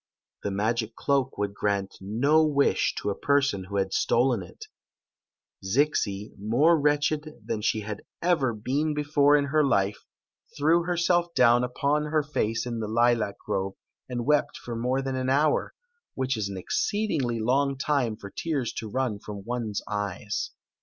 The magic cloak would grant no wish to a person who had stolen it. Zixi, more wretched than she had ever been before in her life, threw hf rself down upon her face in the lilac grove and wept for more than an hour, which is an exceedingly long time for tears to run from one's eyes.